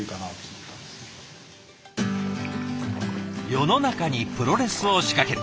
世の中にプロレスを仕掛ける。